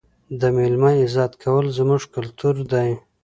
د مېلمه عزت کول زموږ کلتور دی.